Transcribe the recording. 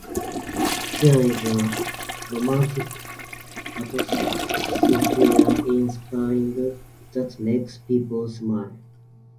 There is a romantic atmosphere in spring that makes people smile.